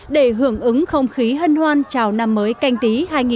để hưởng ứng không khí hân hoan chào năm mới canh tí hai nghìn hai mươi